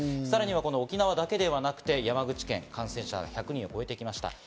さらには沖縄だけではなくて山口県、感染者が１００人を超えてきました。